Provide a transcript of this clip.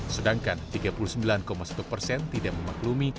sedangkan tiga puluh sembilan satu persen tidak memaklumi